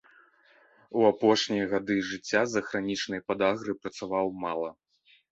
У апошнія гады жыцця з-за хранічнай падагры працаваў мала.